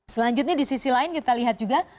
selanjutnya di sisi lain kita lihat juga